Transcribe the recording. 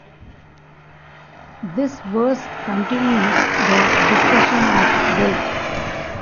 This verse continues the discussion of wealth.